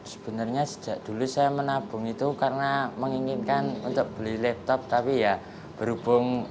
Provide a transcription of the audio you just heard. sebenarnya sejak dulu saya menabung itu karena menginginkan untuk beli laptop tapi ya berhubung